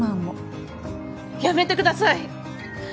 やめてください！